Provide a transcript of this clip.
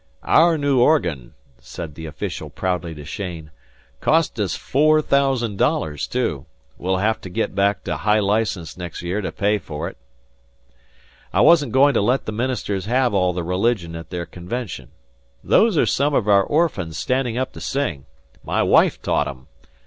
"Our new organ," said the official proudly to Cheyne. "Cost us four thousand dollars, too. We'll have to get back to high license next year to pay for it. I wasn't going to let the ministers have all the religion at their convention. Those are some of our orphans standing up to sing. My wife taught 'em.